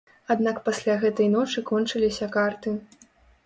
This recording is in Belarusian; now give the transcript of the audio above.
Аднак пасля гэтай ночы кончыліся карты.